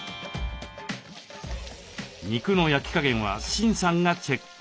肉の焼き加減はシンさんがチェック。